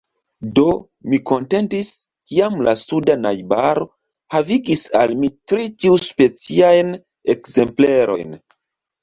Do, mi kontentis, kiam la suda najbaro havigis al mi tri tiuspeciajn ekzemplerojn.